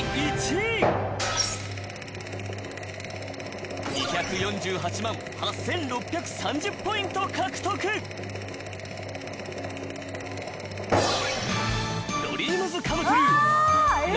第２位は２４８万８６３０ポイント獲得え！